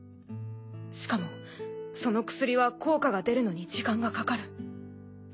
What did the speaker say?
しかもその薬は効果が出るのに時間がかかる。